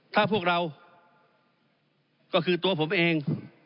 ถ้าพวกเราก็คือตัวผมเอง